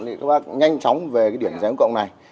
thì các bác nhanh chóng về cái điểm chế ám cộng này